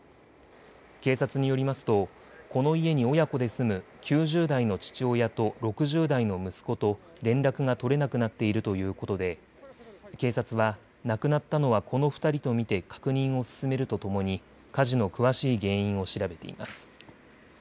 警察によりますとこの家に親子で住む９０代の父親と６０代の息子と連絡が取れなくなっているということで警察は亡くなったのはこの２人と見て確認を進めるとともに火事の詳しい原因を調べています。